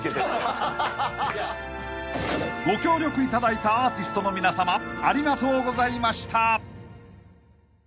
［ご協力いただいたアーティストの皆さまありがとうございました！］